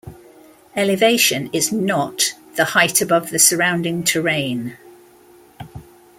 Elevation is "not" the height above the surrounding terrain.